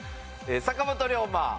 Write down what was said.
坂本龍馬。